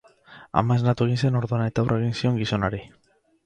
Ama esnatu egin zen orduan, eta aurre egin zion gizonari.